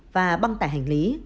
và băng tải hành lý